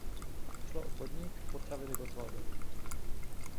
Šlo o podnik "Potraviny Gottwaldov".